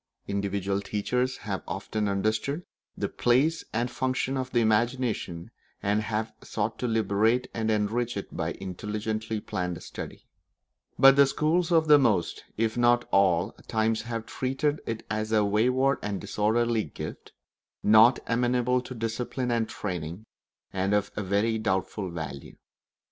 Individual teachers have often understood the place and function of the imagination, and have sought to liberate and enrich it by intelligently planned study; but the schools of most, if not of all, times have treated it as a wayward and disorderly gift, not amenable to discipline and training, and of very doubtful value.